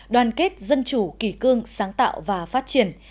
đoàn kết dân chủ kỳ cương sáng tạo và phát triển